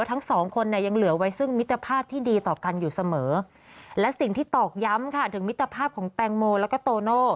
ถึงมิตรภาพของแตงโมแล้วก็โตโน่